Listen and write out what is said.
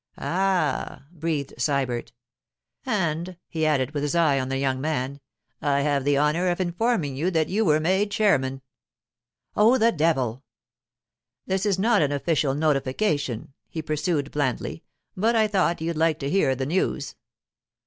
'Ah!' breathed Sybert. 'And,' he added, with his eye on the young man, 'I have the honour of informing you that you were made chairman.' 'Oh, the devil!' 'This is not an official notification,' he pursued blandly; 'but I thought you'd like to hear the news.